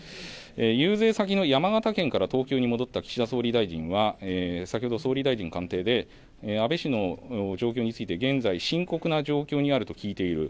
遊説先の山形県から東京に戻った岸田総理大臣は先ほど総理大臣官邸で、安倍氏の状況について現在深刻な状況にあると聞いている。